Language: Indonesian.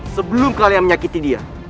sebelum kalian menyakiti dia